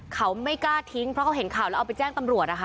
เขาไม่กล้าทิ้งเพราะเขาเห็นข่าวแล้วเอาไปแจ้งตำรวจนะคะ